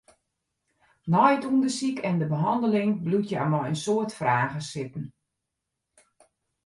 Nei it ûndersyk en de behanneling bliuwt hja mei in soad fragen sitten.